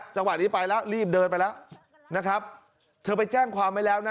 จังหวะนี้ไปแล้วรีบเดินไปแล้วนะครับเธอไปแจ้งความไว้แล้วนะ